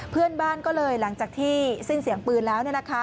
เพื่อนบ้านก็เลยหลังจากที่สิ้นเสียงปืนแล้ว